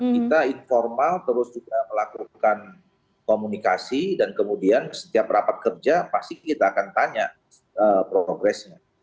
kita informal terus juga melakukan komunikasi dan kemudian setiap rapat kerja pasti kita akan tanya progresnya